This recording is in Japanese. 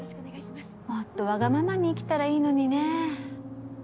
もっとわがままに生きたらいいのにね。